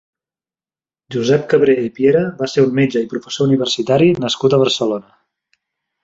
Josep Cabré i Piera va ser un metge i professor universitari nascut a Barcelona.